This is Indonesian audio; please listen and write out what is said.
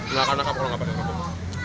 nggak akan lengkap kalau nggak pakai kerupuk